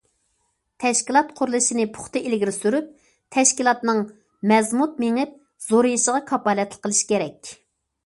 تەشكىلات قۇرۇلۇشىنى پۇختا ئىلگىرى سۈرۈپ، تەشكىلاتنىڭ مەزمۇت مېڭىپ، زورىيىشىغا كاپالەتلىك قىلىش كېرەك.